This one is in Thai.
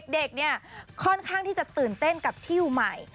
เด็กเนี่ยค่อนข้างที่จะตื่นเต้นกับที่อยู่ใหม่